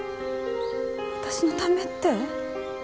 私のためって？